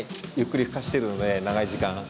ゆっくりふかしているので、長い時間。